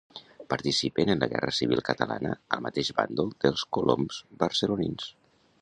Participen en la Guerra civil catalana al mateix bàndol dels Colom barcelonins.